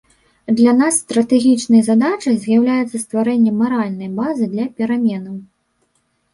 Для нас стратэгічнай задачай з'яўляецца стварэнне маральнай базы для пераменаў.